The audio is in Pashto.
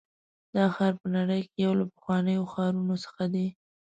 دا ښار په نړۍ کې یو له پخوانیو ښارونو څخه دی.